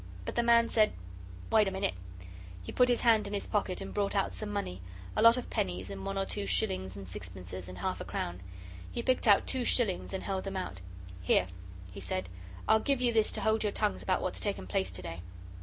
But the man said, "Wait a minute." He put his hand in his pocket and brought out some money a lot of pennies and one or two shillings and sixpences and half a crown. He picked out two shillings and held them out. "Here," he said. "I'll give you this to hold your tongues about what's taken place to day."